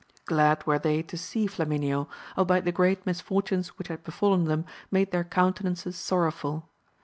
Glad were they to see Flamineo, albeit the great misfortunes which had befallen them made their coun tenances sorrowful.